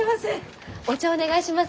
お茶お願いします。